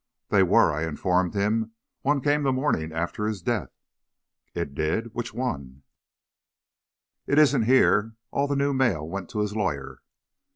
"They were," I informed him. "One came the morning after his death." "It did! Which one?" "It isn't here. All the new mail went to his lawyer."